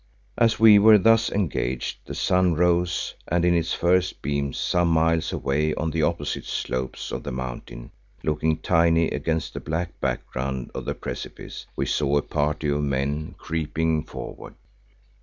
As we were thus engaged the sun rose and in its first beams, some miles away on the opposing slopes of the mountain looking tiny against the black background of the precipice, we saw a party of men creeping forward.